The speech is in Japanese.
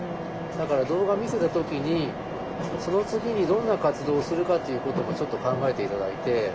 だから動画見せた時にその次にどんな活動をするかということもちょっと考えて頂いて。